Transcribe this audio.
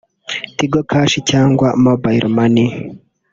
Tigo Cash cyangwa Mobile Money